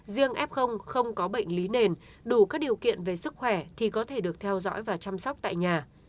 riêng f không có bệnh lý nền đủ các điều kiện về sức khỏe thì có thể được theo dõi và chăm sóc tại nhà